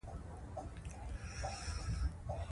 راځئ چې په دې لاره لاړ شو.